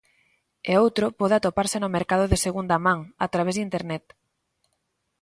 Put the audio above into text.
E outro pode atoparse no mercado de segunda man, a través de internet.